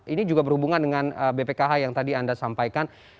ini juga berhubungan dengan bpkh yang tadi anda sampaikan